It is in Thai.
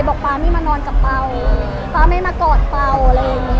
บอกป่าวไม่มานอนกับป่าวป่าวไม่มากอดป่าวอะไรอย่างเงี้ย